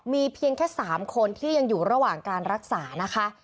มีเพียงแค่๓คนที่ยังอยู่ระหว่างการรักษานะคะ